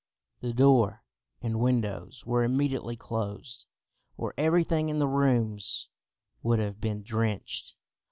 The door and windows were immediately closed, or everything in the rooms would have been drenched.